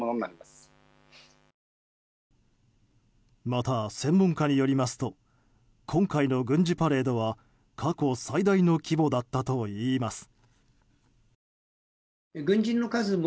また専門家によりますと今回の軍事パレードは過去最大の規模だったといいます。